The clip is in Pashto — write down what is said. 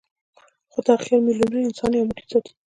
خو دا خیال میلیونونه انسانان یو موټی ساتي.